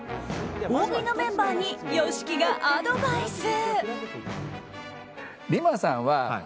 大食いのメンバーにＹＯＳＨＩＫＩがアドバイス。